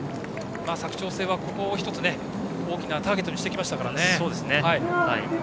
佐久長聖はここを１つ大きなターゲットにしてきました。